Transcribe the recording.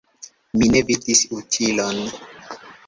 Mi ne vidis utilon.